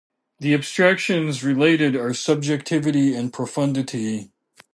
The abstractions related are Subjectivity and Profundity.